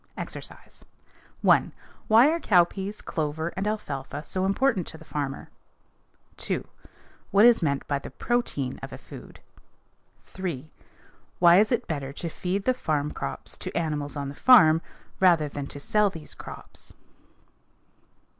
EXERCISE 1. Why are cowpeas, clover, and alfalfa so important to the farmer? 2. What is meant by the protein of a food? 3. Why is it better to feed the farm crops to animals on the farm rather than to sell these crops?